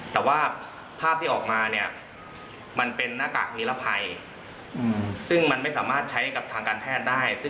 แต่ว่าภาพที่ออกมาเนี่ยมันเป็นหน้ากากนิรภัยซึ่งมันไม่สามารถใช้กับทางการแพทย์ได้